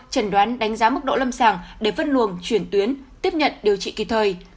trần đoán đánh giá mức độ lâm sàng để phân luồng chuyển tuyến tiếp nhận điều trị kỳ thời